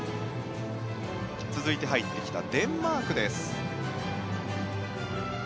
続いて入ってきたデンマークです。